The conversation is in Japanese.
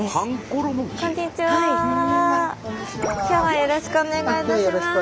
今日はよろしくお願いいたします。